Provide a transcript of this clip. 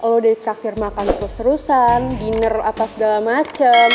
lo udah ditraktir makan terus terusan diner apa segala macem